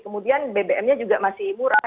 kemudian bbm nya juga masih murah